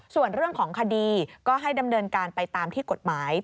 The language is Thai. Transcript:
ส่วนเรื่องของคดีก็ให้ดำเนินการไปตามที่กฎหมาย